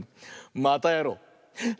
またやろう！